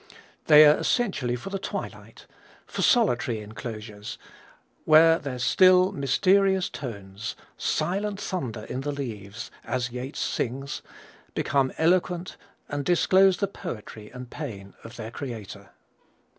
They are essentially for the twilight, for solitary enclosures, where their still, mysterious tones "silent thunder in the leaves" as Yeats sings become eloquent and disclose the poetry and pain of their creator.